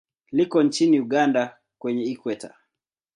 Liko nchini Uganda kwenye Ikweta.